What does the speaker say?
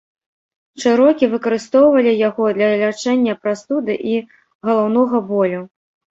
Чэрокі выкарыстоўвалі яго для лячэння прастуды і галаўнога болю.